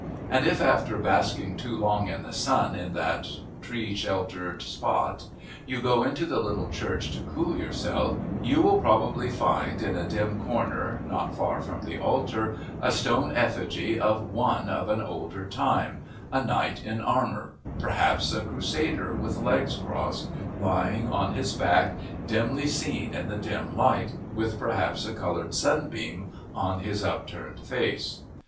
And if after basking too long in the sun in that tree sheltered spot you go into the little church to cool yourself, you will probably find in a dim corner not far from the altar a stone effigy of one of an older time; a knight in armour, perhaps a crusader with legs crossed, lying on his back, dimly seen in the dim light, with perhaps a coloured sunbeam on his upturned face.